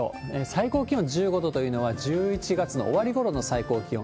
最高気温１５度というのは、１１月の終わりごろの最高気温。